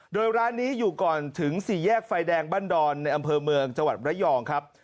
โดยร้านนี้อยู่ก่อนถึงสี่แยกไฟแดงบ้านดอนในอำเภอเมืองจังหวัดระยองครับ